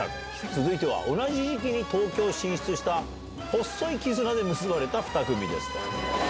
続いては、同じ時期に東京進出した、ほっそい絆で結ばれた２組ですと。